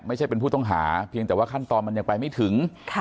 ไม่ใช่เป็นผู้ต้องหาเพียงแต่ว่าขั้นตอนมันยังไปไม่ถึง